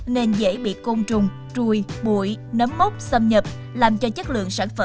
nên dễ bị công trùng trùi bụi nấm mốc xâm nhập